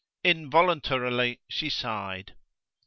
Involuntarily she sighed.